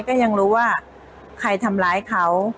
ก็เป็นสถานที่ตั้งมาเพลงกุศลศพให้กับน้องหยอดนะคะ